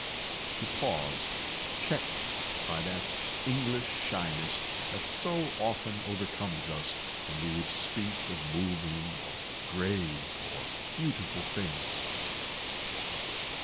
." He paused, checked by that English shyness that so often overcomes us when we would speak of moving or grave or beautiful things.